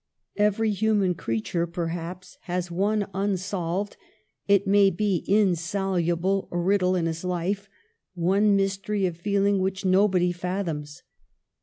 Every human creature, perhaps, has one unsolved, it may be insoluble, riddle in his life — one mystery of feel ing which nobody fathoms.